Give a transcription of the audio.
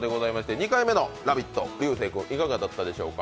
２回目の「ラヴィット！」、流星君、いかがだったでしょうか？